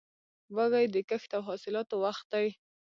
وږی د کښت او حاصلاتو وخت دی.